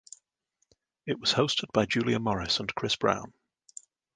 It was hosted by Julia Morris and Chris Brown.